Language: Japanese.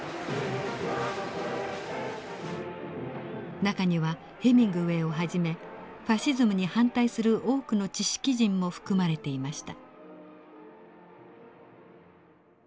中にはヘミングウェイをはじめファシズムに反対する多くの知識人も含まれていました。